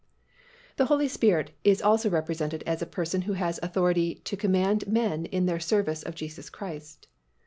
The Holy Spirit is also represented as a Person who has authority to command men in their service of Jesus Christ.